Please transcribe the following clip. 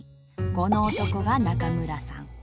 この男が中村さん。